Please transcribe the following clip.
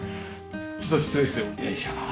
ちょっと失礼してよいしょ。